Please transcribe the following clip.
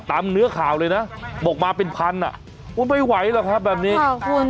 เนื้อข่าวเลยนะบอกมาเป็นพันอ่ะโอ้ไม่ไหวหรอกครับแบบนี้